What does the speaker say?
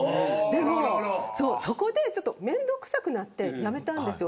でも、そこで面倒くさくなってやめたんです。